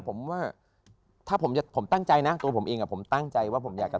ผมว่าถ้าผมตั้งใจนะตัวผมเองอ่ะผมตั้งใจว่าผมอยากจะ